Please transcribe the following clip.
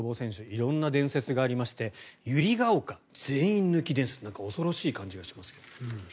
色んな伝説がありまして百合丘全員抜き伝説恐ろしい感じがしますけども。